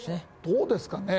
どうですかね？